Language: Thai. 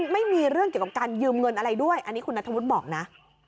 ไม่มีเรื่องเกี่ยวกับการยืมเงินอะไรด้วยอันนี้คุณนัทธวุฒิบอกนะ